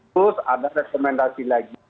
terus ada rekomendasi lagi